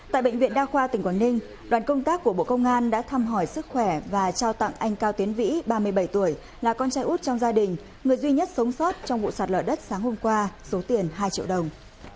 tại bệnh viện đa khoa tỉnh quảng ninh đoàn công tác của bộ công an đã thăm hỏi sức khỏe và trao tặng anh cao tiến vĩ ba mươi bảy tuổi là con trai út trong gia đình người duy nhất sống sót trong vụ sạt lở đất sáng hôm qua số tiền hai triệu đồng